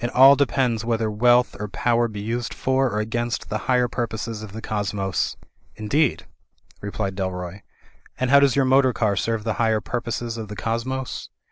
All depends whether wealth or power be used for or against the higher purposes of the cosmos." "Indeed," replied Dalroy, "and how does your motor \ car serve the higher purposes of the cosmos?"